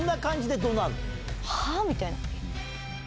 はぁ？みたいな。